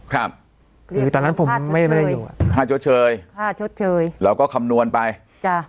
ครับคือตอนนั้นผมไม่ได้อยู่อ่ะค่าชดเชยค่าชดเชยเราก็คำนวณไปจ้ะ